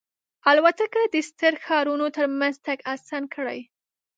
الوتکه د ستر ښارونو ترمنځ تګ آسان کړی.